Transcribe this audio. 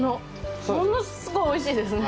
物すごいおいしいですね。